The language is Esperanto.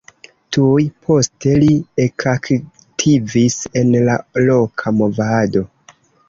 Tuj poste li ekaktivis en la loka movado.